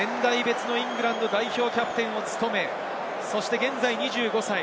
年代別のイングランド代表キャプテンを務め、現在２５歳。